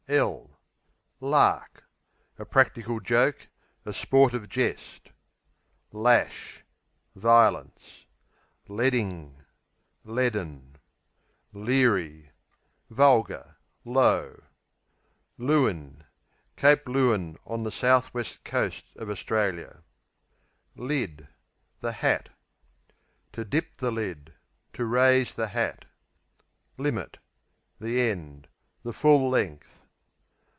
Lark A practical joke; a sportive jest. Lash Violence. Ledding Leaden. Leery Vulgar; low. Leeuwin Cape Leeuwin on the south west coast of Australia. Lid The hat. To dip the lid To raise the hat. Limit The end; the full length.